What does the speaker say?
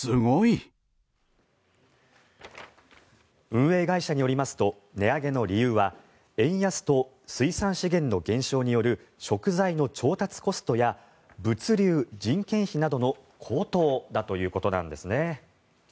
運営会社によりますと値上げの理由は円安と水産資源の減少による食材の調達コストや物流・人件費などの高騰だということです。